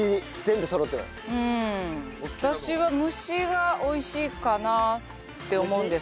私は蒸しが美味しいかなって思うんですけど。